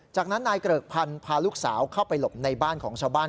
จากนั้นนายเกริกพันธุ์พาลูกสาวเข้าไปหลบในบ้านของชาวบ้าน